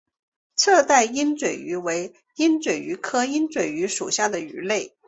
侧带鹦嘴鱼为鹦嘴鱼科鹦嘴鱼属的鱼类。